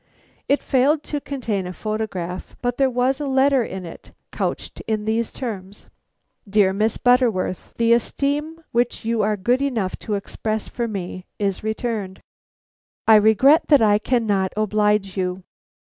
It failed to contain a photograph; but there was a letter in it couched in these terms: "DEAR MISS BUTTERWORTH: "The esteem which you are good enough to express for me is returned. I regret that I cannot oblige you.